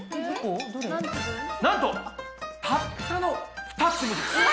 なんとたったの２粒です。え！